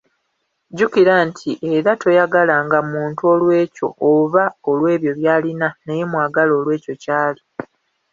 Jjukira nti era toyagalanga muntu olw'ekyo oba olw'ebyo by'alina naye mwagale olw'ekyo ky'ali.